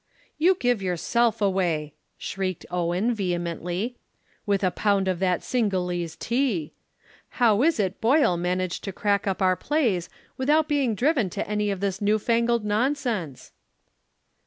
"You give yourself away," shrieked Owen vehemently, "with a pound of that Cingalese tea. How is it Boyle managed to crack up our plays without being driven to any of this new fangled nonsense?"